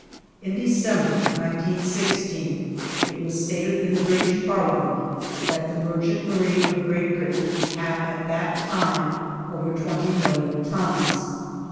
In December, 1916, it was stated in the British Parliament that the merchant marine of Great Britain had at that time over 20,000,000 tons.